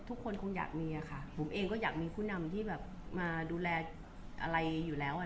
ทุกคนคงอยากมีอะค่ะผมเองก็อยากมีผู้นำที่แบบมาดูแลอะไรอยู่แล้วอ่ะ